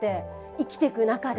生きてく中で。